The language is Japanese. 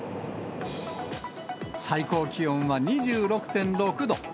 最高気温は２６．６度。